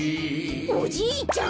おじいちゃん